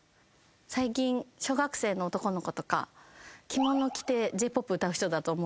最近小学生の男の子とか着物着てＪ−ＰＯＰ歌う人だと思われてるので。